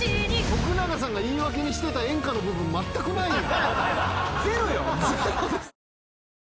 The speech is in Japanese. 徳永さんが言い訳にしてた演歌の部分まったくないやん。